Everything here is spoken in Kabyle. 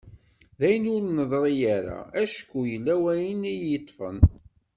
D ayen ur d-neḍri ara acku yella wayen i yi-yeṭṭfen.